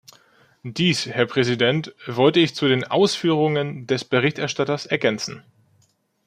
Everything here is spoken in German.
Dies, Herr Präsident, wollte ich zu den Ausführungen des Berichterstatters ergänzen.